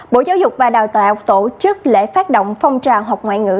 bộ giáo dục và đào tạo tổ chức lễ phát động phong trào học ngoại ngữ